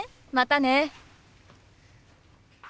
またね。